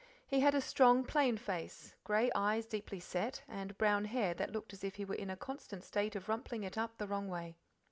He had a strong, plain face, grey eyes deeply set, and brown hair that looked as if he was in a constant state of rumpling it up the wrong way.